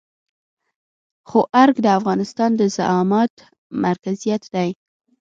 خو ارګ د افغانستان د زعامت مرکزيت دی.